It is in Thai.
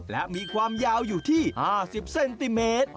และมีความยาวอยู่ที่๕๐เซนติเมตร